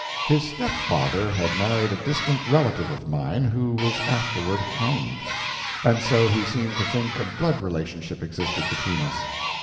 His stepfather had married a distant relative of mine who was afterward hanged; and so he seemed to think a blood relationship existed between us.